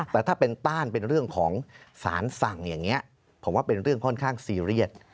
แต่ถ้าเป็นต้านเป็นเรื่องของสารสั่งอย่างนี้ผมว่าเป็นเรื่องค่อนข้างซีเรียส